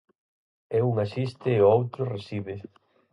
E un asiste e o outro recibe.